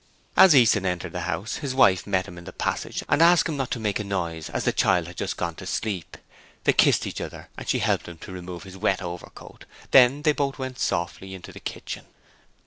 As Easton entered the house, his wife met him in the passage and asked him not to make a noise as the child had just gone to sleep. They kissed each other and she helped him to remove his wet overcoat. Then they both went softly into the kitchen.